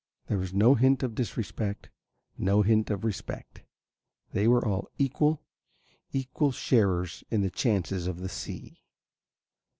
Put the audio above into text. There was no hint of disrespect, no hint of respect. They were all equal, equal sharers in the chances of the sea.